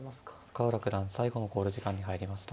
深浦九段最後の考慮時間に入りました。